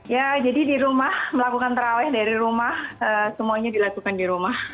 ya jadi di rumah melakukan terawih dari rumah semuanya dilakukan di rumah